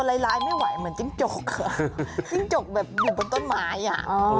ร้ายไม่ไหวเหมือนจิ้งจกอ่ะจิ้งจกแบบอยู่บนต้นไม้อ่ะ